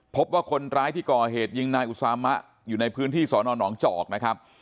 พบว่าคนร้ายที่ก่อเหตุยิงนายอุสามะอยู่ในพื้นที่สอนอนหนองจอกนะครับ